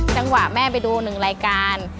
จังหวะแม่ไปดูหนึ่งรายการ